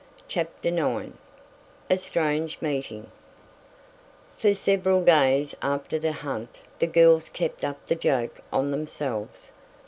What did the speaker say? CHAPTER IX A STRANGE MEETING For several days after the "hunt" the girls kept up the joke on themselves.